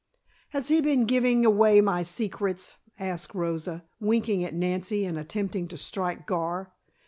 "Has he been giving away my secrets?" asked Rosa, winking at Nancy and attempting to strike Gar.